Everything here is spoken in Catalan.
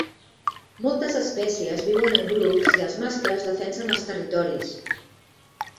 Moltes espècies viuen en grups i els mascles defensen els territoris.